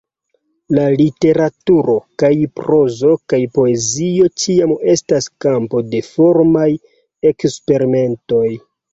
La literaturo – kaj prozo kaj poezio – ĉiam estas kampo de formaj eksperimentoj.